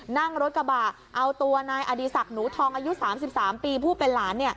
นั่งรถกระบะเอาตัวนายอดีศักดิ์หนูทองอายุ๓๓ปีผู้เป็นหลาน